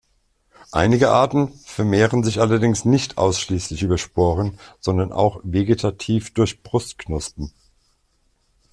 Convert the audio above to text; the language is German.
Einige Arten vermehren sich allerdings nicht ausschließlich über Sporen, sondern auch vegetativ durch Brutknospen.